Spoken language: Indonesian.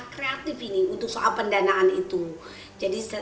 rapat koordinasi ini menghasilkan enam kesepakatan yang konsisten dan bersinergi